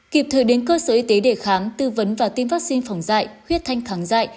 kịp thời đến cơ sở y tế để khám tư vấn và tiêm vaccine phòng dạy huyết thanh thắng dại